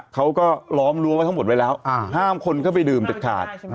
เขาก็ล้อมรั้วไว้ทั้งหมดไว้แล้วห้ามคนเข้าไปดื่มเด็ดขาด